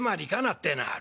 ってえのはある」。